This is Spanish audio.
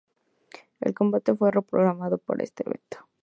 El combate fue reprogramado para este evento.